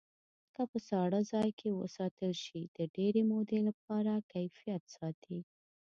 که په ساړه ځای کې وساتل شي د ډېرې مودې لپاره کیفیت ساتي.